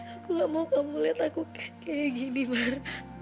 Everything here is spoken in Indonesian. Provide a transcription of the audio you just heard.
aku gak mau kamu lihat aku kayak gini mar